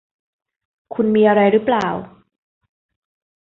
คุณมีอะไรรึเปล่า